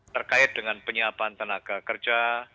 terkait dengan penyiapan tenaga kerja